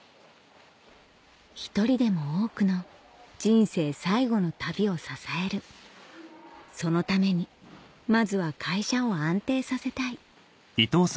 １人でも多くの人生最後の旅を支えるそのためにまずは会社を安定させたい